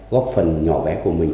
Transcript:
góp phần nhỏ bé của mình